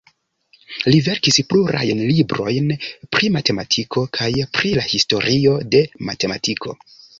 Li verkis plurajn librojn pri matematiko kaj pri la historio de matematiko.